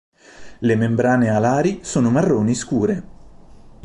Le membrane alari sono marroni scure.